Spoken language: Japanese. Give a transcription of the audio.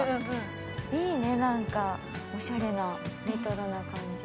いいね、おしゃれなレトロな感じ。